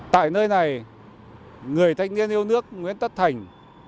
tại nơi này người thanh niên yêu nước nguyễn tất thành